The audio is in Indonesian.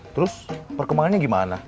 terus perkembangannya gimana